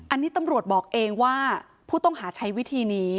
อันนี้ตำรวจบอกเองว่าผู้ต้องหาใช้วิธีนี้